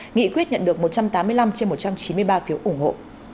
nghị quyết nhận được một trăm tám mươi năm trên một trăm chín mươi ba phiếu ủng hộ